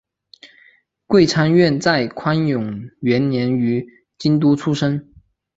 桂昌院在宽永元年于京都出生。